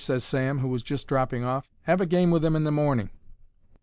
ses Sam, who was just dropping off. "'Ave a game with 'im in the morning."